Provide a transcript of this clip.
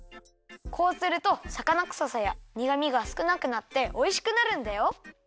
こうするとさかなくささやにがみがすくなくなっておいしくなるんだよ！